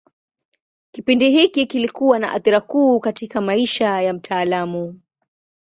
Kipindi hiki kilikuwa na athira kuu katika maisha ya mtaalamu.